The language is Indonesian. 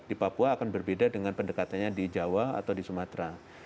di papua akan berbeda dengan pendekatannya di jawa atau di sumatera